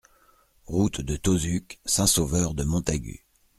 Route de Tauzuc, Saint-Sauveur-de-Montagut